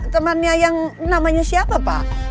temannya yang namanya siapa pak